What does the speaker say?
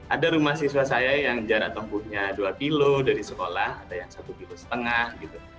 ada rumah siswa saya yang jarak tempuhnya dua kilo dari sekolah ada yang satu kilo setengah gitu